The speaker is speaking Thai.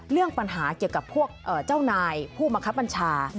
เรื่องปัญหาเกี่ยวกับพวกเจ้านายผู้บังคับบัญชา